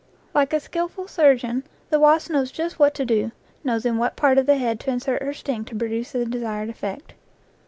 Like a skillful surgeon, the wasp knows just what to do, knows in what part of the head to insert her sting to produce the desired effect.